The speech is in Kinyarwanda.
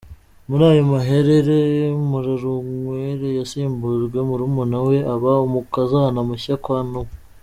Muri ayo maherere, Murorunkwere yasimbujwe murumuna we, aba umukazana mushya kwa Nuwo.